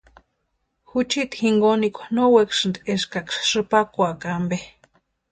Juchiti jinkonikwa no wekasïnti eskaksï sïpakwaaka ampe.